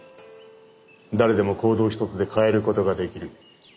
誰でも行動一つで変える事ができる。